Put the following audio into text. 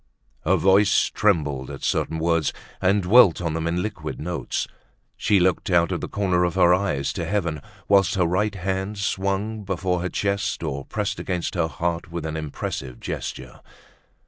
Her voice trembled at certain words, and dwelt on them in liquid notes; she looked out of the corner of her eyes to heaven, whilst her right hand swung before her chest or pressed against her heart with an impressive gesture.